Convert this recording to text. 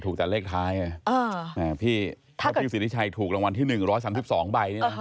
ถูกแต่เลขท้ายพี่ถูกรางวัลที่๑๓๒ใบเนี่ยนะ